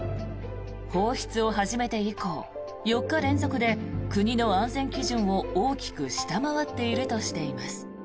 放出を始めて以降４日連続で国の安全基準を、大きく下回っているとしています。